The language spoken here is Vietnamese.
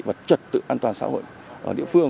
và trật tự an toàn sau